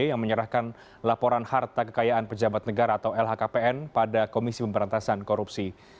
yang menyerahkan laporan harta kekayaan pejabat negara atau lhkpn pada komisi pemberantasan korupsi